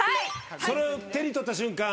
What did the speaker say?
それを手に取った瞬間